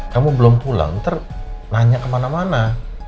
kamu belum pulang ntar nanya kemana mana